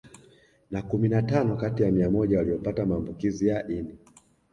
Na kumi na tano kati ya mia moja waliopata maambukizi ya ini